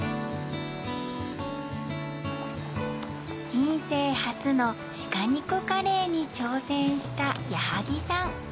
人生初の鹿肉カレーに挑戦した矢作さん。